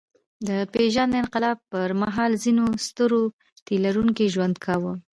د پېژاند انقلاب پر مهال ځینو سترو تيلرونکي ژوند کاوه.